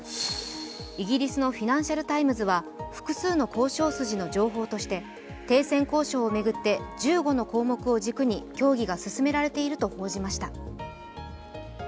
イギリスの「フィナンシャル・タイムズ」は複数の交渉筋の情報として停戦交渉を巡って１５の項目を軸に協議が進められていると報じました。